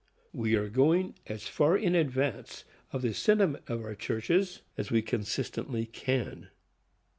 We are going as far in advance of the sentiment of our churches as we consistently can.